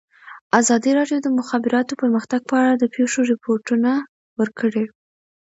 ازادي راډیو د د مخابراتو پرمختګ په اړه د پېښو رپوټونه ورکړي.